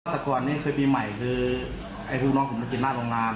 แต่ก่อนนี้เคยปีใหม่คือไอ้ลูกน้องผมมากินหน้าโรงงาน